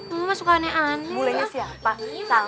mama sukaannya aneh